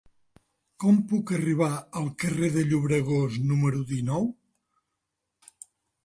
Com puc arribar al carrer del Llobregós número dinou?